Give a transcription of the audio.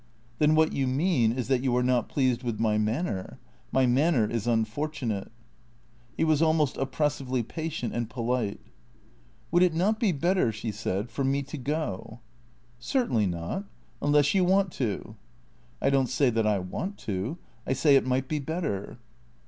"Then what you mean is that you are not pleased with my manner. My manner is unfortunate." He was almost oppressively patient and polite. " Would it not be better," she said, " for me to go ?"" Certainly not. Unless you want to." " I don't say that I want to. I say it might be better."